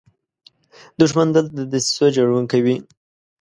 دښمن تل د دسیسو جوړونکی وي